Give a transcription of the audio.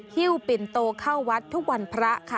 ฮิ้วปิ่นโตเข้าวัดทุกวันพระค่ะ